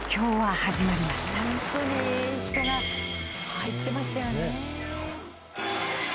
本当に人が入ってましたよね。